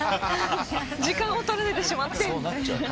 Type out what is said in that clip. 時間を取られてしまって。